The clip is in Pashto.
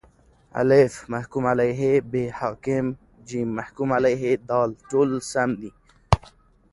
الف: محکوم علیه ب: حاکم ج: محکوم علیه د: ټوله سم دي